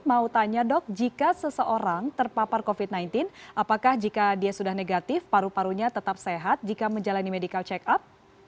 mau tanya dok jika seseorang terpapar covid sembilan belas apakah jika dia sudah negatif paru parunya tetap sehat jika menjalani medical check up